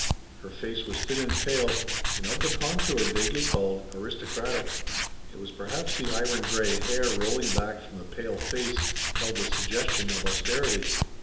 Her face was thin and pale, and of the contour vaguely called aristocratic. It was perhaps the iron gray hair rolling back from the pale face held the suggestion of austerity.